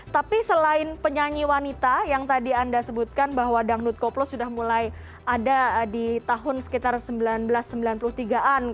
tapi selain penyanyi wanita yang tadi anda sebutkan bahwa dangdut koplo sudah mulai ada di tahun sekitar seribu sembilan ratus sembilan puluh tiga an